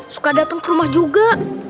suka datang ke rumah juga